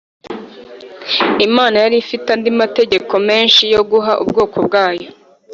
Imana yari ifite andi mategeko menshi yo guha ubwoko bwayo